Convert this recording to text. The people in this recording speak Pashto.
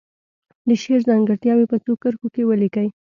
د شعر ځانګړتیاوې په څو کرښو کې ولیکي.